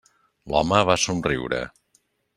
L'home va somriure.